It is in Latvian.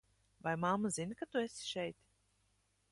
Vai mamma zina, ka tu esi šeit?